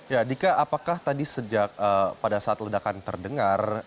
ya dika apakah tadi pada saat ledakan terdengar